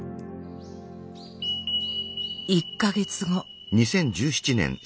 １か月後。